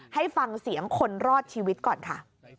ให้ฟังเสียงคนรอดชีวิตก่อนค่ะ